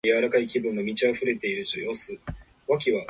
皮膚ガンの恐れはないのかな？